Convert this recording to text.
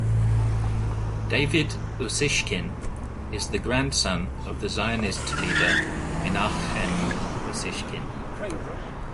David Ussishkin is the grandson of the Zionist leader Menachem Ussishkin.